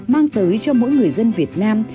mang tới cho mỗi người dân việt nam